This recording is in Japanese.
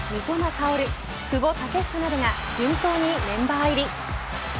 薫久保建英などが順当にメンバー入り。